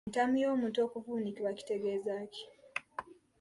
Entamu y'omuntu okuvuunikibwa kitegeeza ki?